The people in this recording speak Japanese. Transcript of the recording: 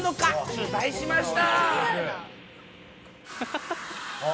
取材しました。